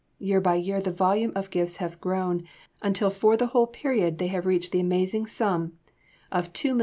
Year by year the volume of gifts has grown, until for the whole period they have reached the amazing sum of $2,618,290.